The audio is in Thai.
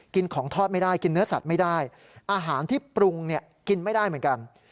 กินของทอดไม่ได้กินเนื้อสัตว์ไม่ได้อาหารที่ปรุงเนี่ยกินไม่ได้เหมือนกัน